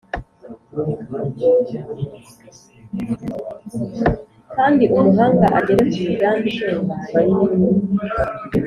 , Kandi umuhanga agere ku migambi itunganye